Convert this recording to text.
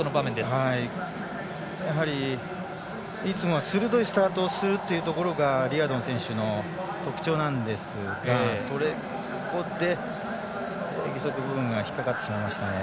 やはり、いつも鋭いスタートをするところがリアドン選手の特徴なんですがそこで義足部分が引っ掛かってしまいました。